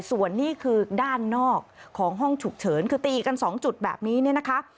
ส่วนนี่คือด้านนอกของห้องฉุกเฉินคือตีกัน๒จุดแบบนี้เนี่ยนะคะ